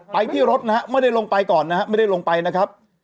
ไปที่รถนะฮะไม่ได้ลงไปก่อนนะฮะไม่ได้ลงไปนะครับ